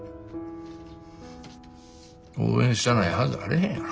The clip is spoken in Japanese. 応援したないはずあれへんやろ。